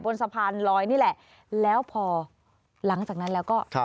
บนสะพานลอยนี่แหละแล้วพอหลังจากนั้นแล้วก็ครับ